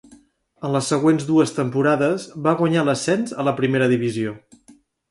En les següents dues temporades, va guanyar l'ascens a la primera divisió.